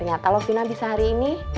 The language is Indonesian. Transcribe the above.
ternyata lovina bisa hari ini